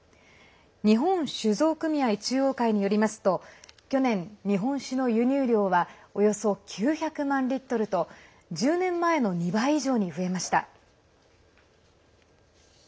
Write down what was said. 日本酒造組合中央会によりますと去年、日本酒の輸入量はおよそ９００万リットルと１０年前の２倍以上に増えました。